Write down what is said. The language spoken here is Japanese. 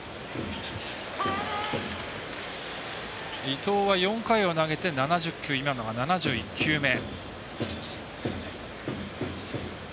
伊藤は４回を投げて今のが７１球目。